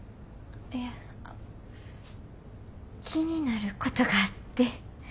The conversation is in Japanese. いや気になることがあって。